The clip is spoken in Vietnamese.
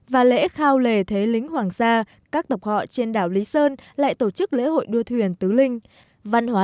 văn hóa truyền thống của quốc gia quốc gia của quốc gia quốc gia của quốc gia quốc gia của quốc gia